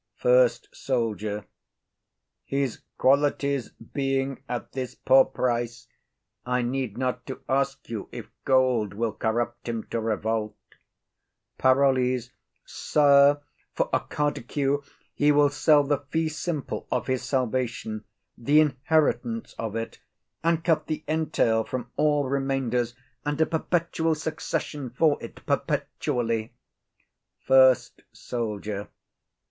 FIRST SOLDIER. His qualities being at this poor price, I need not to ask you if gold will corrupt him to revolt. PAROLLES. Sir, for a quart d'ecu he will sell the fee simple of his salvation, the inheritance of it, and cut the entail from all remainders, and a perpetual succession for it perpetually. FIRST SOLDIER.